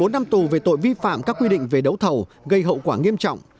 bốn năm tù về tội vi phạm các quy định về đấu thầu gây hậu quả nghiêm trọng